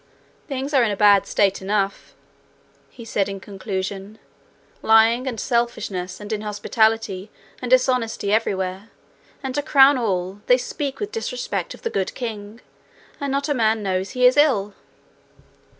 'Things are in a bad state enough,' he said in conclusion 'lying and selfishness and inhospitality and dishonesty everywhere; and to crown all, they speak with disrespect of the good king, and not a man knows he is ill.'